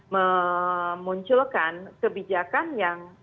memunculkan kebijakan yang